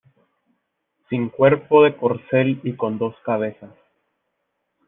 sin cuerpo de corcel y con dos cabezas.